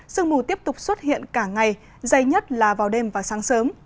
sương mù tiếp tục xuất hiện cả ngày dày nhất là vào đêm và sáng sớm